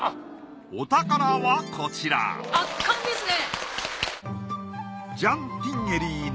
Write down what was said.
お宝はこちら圧巻ですね！